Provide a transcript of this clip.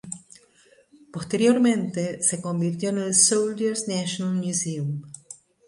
Posteriormente se convirtió en el Soldiers National Museum.